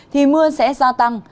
thì mưa sẽ gia tăng